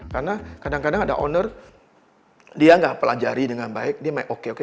karena kadang kadang ada owner dia gak pelajari dengan baik dia main oke oke